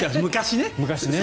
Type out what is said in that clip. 昔ね。